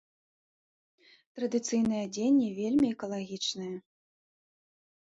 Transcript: Традыцыйнае адзенне вельмі экалагічнае.